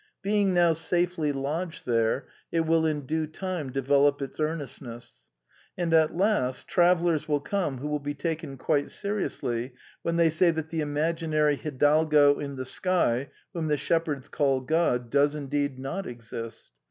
Being now safely lodged there, it will in due time de velop its earnestness; and at last travellers will come who will be taken quite seriously when they say that the imaginary hidalgo in the sky whom the shepherds call God, does indeed not exist.